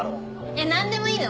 えっ何でもいいの？